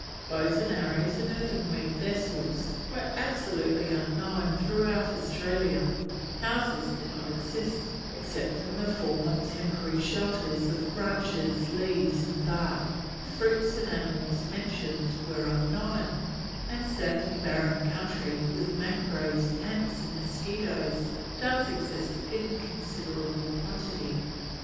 Bows and arrows and earthenware vessels were absolutely unknown throughout Australia; houses did not exist, except in the form of temporary shelters of branches, leaves, and bark; the fruits and animals mentioned were unknown; and sandy barren country with mangroves, ants, and mosquitoes does exist in considerable quantity.